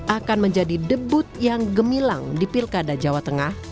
akan menjadi debut yang gemilang di pilkada jawa tengah